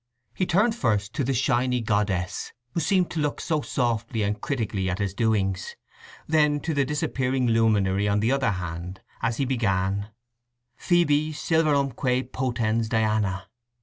He turned first to the shiny goddess, who seemed to look so softly and critically at his doings, then to the disappearing luminary on the other hand, as he began: "Phœbe silvarumque potens Diana!"